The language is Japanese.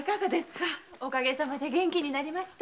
おかげさまで元気になりました。